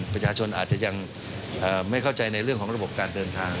ประชาชนอาจจะยังไม่เข้าใจในเรื่องของระบบการเดินทาง